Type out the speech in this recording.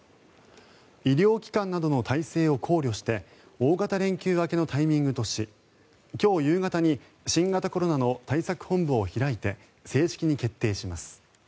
医療機関などの体制を考慮して大型連休明けのタイミングとし今日夕方に新型コロナの対策本部を開いて正式に決定します。